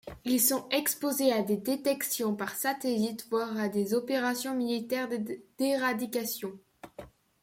Ils sont exposés à des détections par satellites voire à des opérations militaires d’éradication.